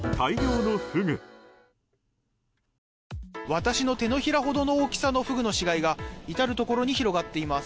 私の手のひらほどの大きさのフグの死体が至るところに広がっています。